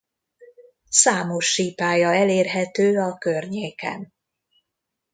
Számos sípálya elérhető a környéken.